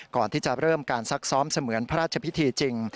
ก่อนที่จะเริ่มการซักซ้อมเสมือนพระราชพิธีจริง